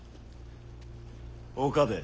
岡部。